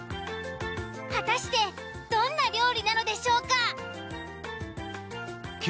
果たしてどんな料理なのでしょうか？